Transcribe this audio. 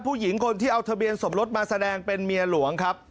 ผู้หญิงคนที่เอาทะเบียนสมรสมาแสดงเป็นเมียหลวงครับ